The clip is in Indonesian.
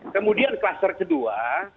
kemudian klaster kedua